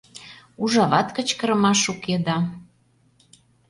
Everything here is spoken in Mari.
Ужават кычкырымаш уке да.